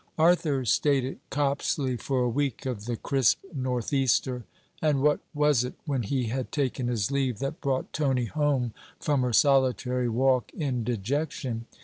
Arthur stayed at Copsley for a week of the crisp North easter; and what was it, when he had taken his leave, that brought Tony home from her solitary walk in dejection?